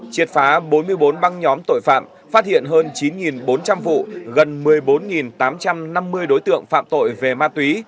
triệt phá bốn mươi bốn băng nhóm tội phạm phát hiện hơn chín bốn trăm linh vụ gần một mươi bốn tám trăm năm mươi đối tượng phạm tội về ma túy